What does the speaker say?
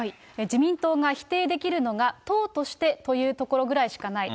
自民党が否定できるのが、党としてというところぐらいしかない。